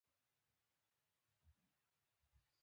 تسليمېدل د کمزوري انسان نښه ده.